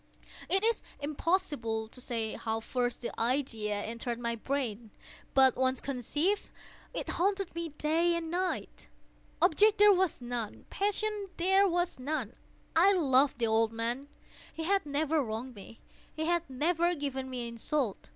It is impossible to say how first the idea entered my brain; but once conceived, it haunted me day and night. Object there was none. Passion there was none. I loved the old man. He had never wronged me. He had never given me insult.